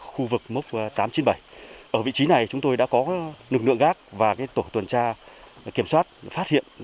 khu vực mốc tám trăm chín mươi bảy ở vị trí này chúng tôi đã có lực lượng gác và tổ tuần tra kiểm soát phát hiện